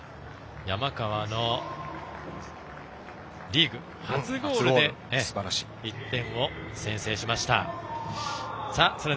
山川のリーグ初ゴールで１点を先制しました、ヴィッセル。